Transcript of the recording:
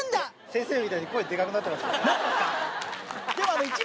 先生みたいに声でかくなってなってますか？